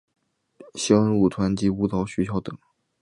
萧恩舞团及舞蹈学校等。